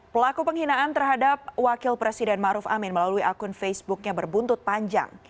pelaku penghinaan terhadap wakil presiden maruf amin melalui akun facebooknya berbuntut panjang